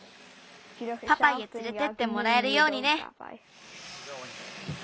パパイへつれてってもらえるようにね。